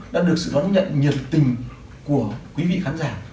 đã được sự đón nhận nhiệt tình của quý vị khán giả